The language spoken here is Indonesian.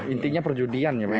intinya perjudian ya